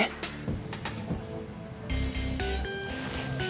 udah pasti dijual sama orangnya